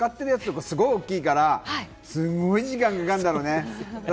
使ってるやつとか、すごい大きいから、すごい時間かかるんだろうね。